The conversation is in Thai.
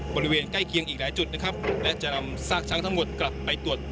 บริเวณใกล้เคียงอีกหลายจุดนะครับและจะนำซากช้างทั้งหมดกลับไปตรวจ